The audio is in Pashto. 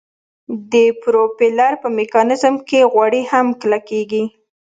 د پروپیلر په میکانیزم کې غوړي هم کلکیږي